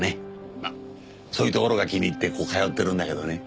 まあそういうところが気に入ってここ通ってるんだけどね。